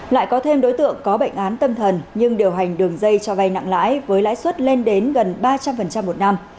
lại có thêm đối tượng có bệnh án tâm thần nhưng điều hành đường dây cho vay nặng lãi với lãi suất lên đến gần ba trăm linh một năm